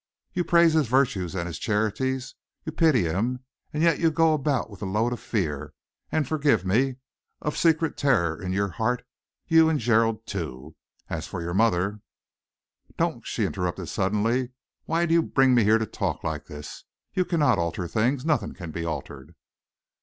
You praise his virtues and his charities, you pity him, and yet you go about with a load of fear, and forgive me of secret terror in your heart, you and Gerald, too. As for your mother " "Don't!" she interrupted suddenly. "Why do you bring me here to talk like this? You cannot alter things. Nothing can be altered."